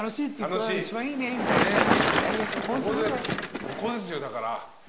ここですよだから。